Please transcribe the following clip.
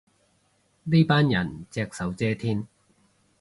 呢班人隻手遮天